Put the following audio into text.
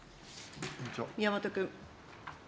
宮本君。